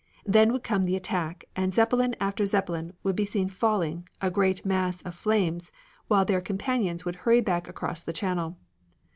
Then would come the attack and Zeppelin after Zeppelin would be seen falling, a great mass of flames, while their companions would hurry back across the Channel.